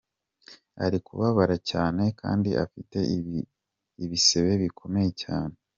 "Ari kubabara cyane kandi afite ibisebe bikomeye cyane.